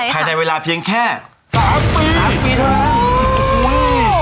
ผ่านได้เวลาเพียงแค่๓ปี